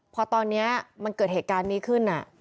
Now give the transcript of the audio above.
พอตอนนี้มันเกิดเหตุการณ์นี้ขึ้น